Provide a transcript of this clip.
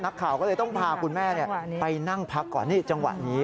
นักข่าวก็เลยต้องพาคุณแม่ไปนั่งพักก่อนนี่จังหวะนี้